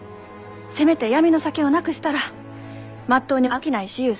せめて闇の酒をなくしたらまっとうに商いしゆう